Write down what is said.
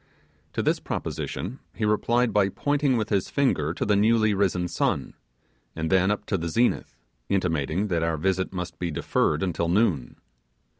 To this proposition he replied by pointing with his finger to the newly risen sun, and then up to the zenith, intimating that our visit must be deferred until noon.